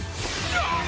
あっ！